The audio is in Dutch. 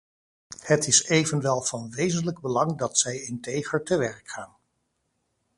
Het is evenwel van wezenlijk belang dat zij integer te werk gaan.